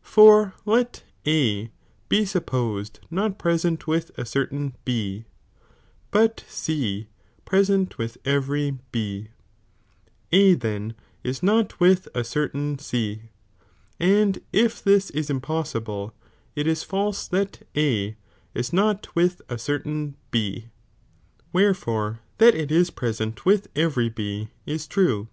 For let A be supposed Smb are de?*" not present with a certain B, but C present with momirabie pet every B, A then is not with a certflin C, and if this is impossible, it ia false that A is not with a cerlAin B, wherefore that it is present with every B is true.